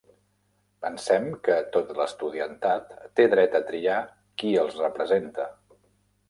Pensem que tot l'estudiantat té dret a triar qui els representa.